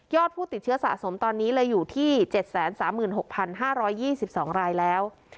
ยอดผู้ติดเชื้อสะสมตอนนี้เลยอยู่ที่เจ็ดแสนสามหมื่นหกพันห้าร้อยยี่สิบสองรายแล้ว